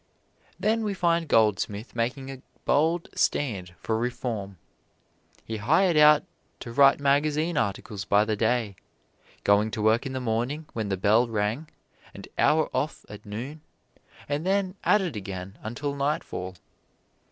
Then we find Goldsmith making a bold stand for reform. He hired out to write magazine articles by the day; going to work in the morning when the bell rang, an hour off at noon, and then at it again until nightfall.